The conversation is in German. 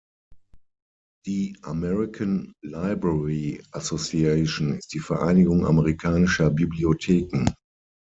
Die American Library Association ist die Vereinigung amerikanischer Bibliotheken.